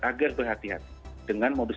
agar berhati hati dengan modus